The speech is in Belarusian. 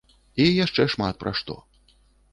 І яшчэ шмат пра што.